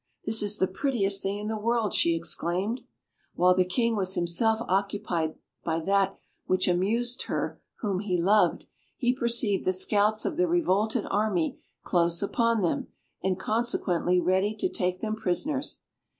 This is the prettiest thing in the world!" she exclaimed. While the King was himself occupied by that which amused her whom he loved, he perceived the scouts of the revolted army close upon them, and consequently ready to take them prisoners.